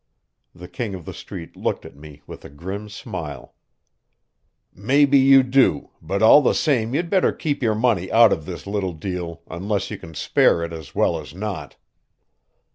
The King of the Street looked at me with a grim smile. "Maybe you do, but all the same you'd better keep your money out of this little deal unless you can spare it as well as not.